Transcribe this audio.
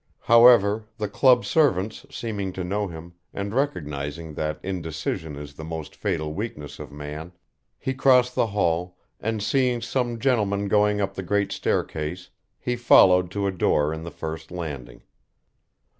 However, the club servants seeming to know him, and recognising that indecision is the most fatal weakness of man, he crossed the hall, and seeing some gentlemen going up the great staircase he followed to a door in the first landing.